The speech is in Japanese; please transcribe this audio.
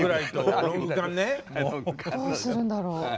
どうするんだろう。